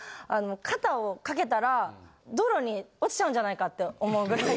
肩をかけたら道路に落ちちゃうんじゃないかって思うぐらい。